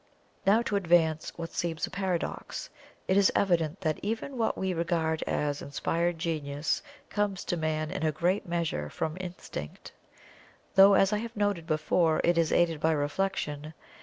Now to advance what seems a paradox, it is evident that even what we regard as inspired genius comes to man in a great measure from Instinct, though as I noted before it is aided by reflection.